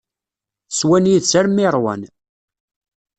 Swan yid-s armi i ṛwan.